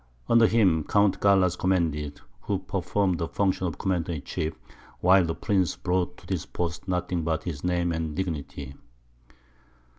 Under him, Count Gallas commanded, who performed the functions of commander in chief, while the prince brought to this post nothing but his name and dignity.